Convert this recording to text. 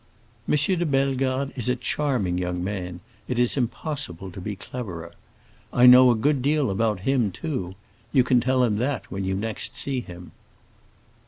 M. de Bellegarde is a charming young man; it is impossible to be cleverer. I know a good deal about him too; you can tell him that when you next see him."